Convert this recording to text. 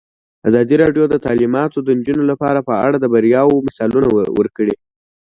ازادي راډیو د تعلیمات د نجونو لپاره په اړه د بریاوو مثالونه ورکړي.